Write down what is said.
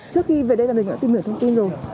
trước khi về đây là mình đã tìm hiểu thông tin rồi